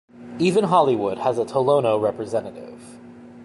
Even Hollywood has a Tolono representative.